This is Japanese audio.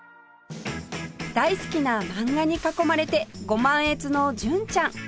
大好きな漫画に囲まれてご満悦の純ちゃん